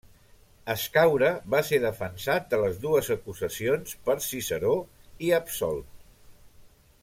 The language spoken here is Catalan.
Escaure va ser defensat de les dues acusacions per Ciceró i absolt.